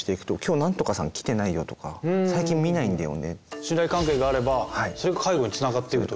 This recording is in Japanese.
信頼関係があればそういう介護につながっていくという。